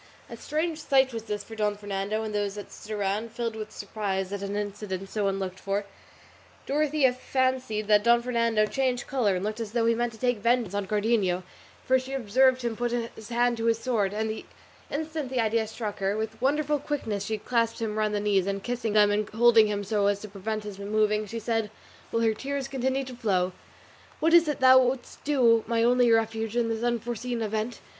A strange sight was this for Don Fernando and those that stood around, filled with surprise at an incident so unlooked for. Dorothea fancied that Don Fernando changed colour and looked as though he meant to take vengeance on Cardenio, for she observed him put his hand to his sword; and the instant the idea struck her, with wonderful quickness she clasped him round the knees, and kissing them and holding him so as to prevent his moving, she said, while her tears continued to flow, "What is it thou wouldst do, my only refuge, in this unforeseen event?